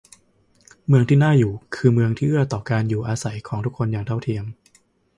เมืองที่น่าอยู่คือเมืองที่เอื้อต่อการอยู่อาศัยของคนทุกคนอย่างเท่าเทียม